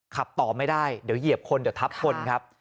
ขับต่อไม่ได้เดี๋ยวเหยียบคนเดี๋ยวทับคนครับ